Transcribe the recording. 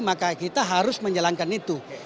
maka kita harus menjalankan itu